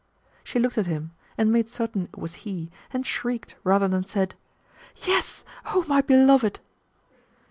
She looked at him and made certain it was he and shrieked rather than said, "Yes, O my beloved!"